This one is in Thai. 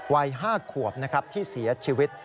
วัย๕ขวบนะครับที่เสียชีวิต